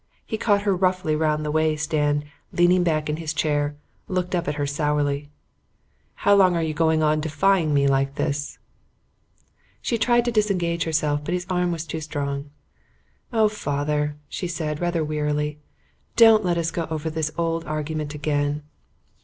He caught her roughly round the waist and, leaning back in his chair, looked up at her sourly. "How long are you going on defying me like this?" She tried to disengage herself, but his arm was too strong. "Oh, father," she said, rather wearily, "don't let us go over this old argument again."